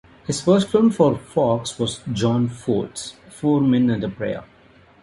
His first film for Fox was John Ford's "Four Men and a Prayer".